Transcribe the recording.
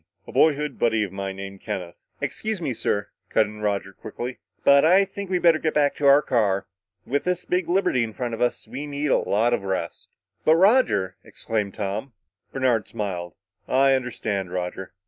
A boyhood buddy of mine named Kenneth " "Excuse me, sir," cut in Roger quickly, "but I think we'd better get back to our car. With this big liberty in front of us, we need a lot of rest." "But, Roger!" exclaimed Tom. Bernard smiled. "I understand, Roger.